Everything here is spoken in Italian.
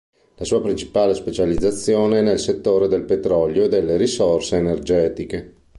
La sua principale specializzazione è nel settore del petrolio e delle risorse energetiche